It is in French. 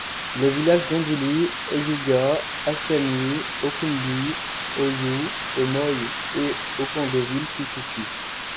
Les villages d'Ondili, Eyouga, Assiami, Okoumbi, Oyou, Omoye et Okangoville s'y situent.